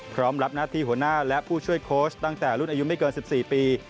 รับหน้าที่หัวหน้าและผู้ช่วยโค้ชตั้งแต่รุ่นอายุไม่เกิน๑๔ปี